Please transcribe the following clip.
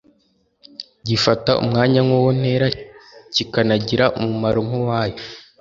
gifata umwanya nk'uwa ntera kikanagira umumaro nk’uwayo